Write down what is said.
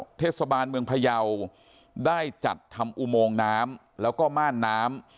เทศบาลเมืองพยาวได้จัดทำอุโมงน้ำแล้วก็ม่านน้ำ